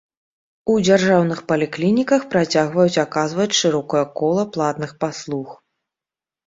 У дзяржаўных паліклініках працягваюць аказваць шырокае кола платных паслуг.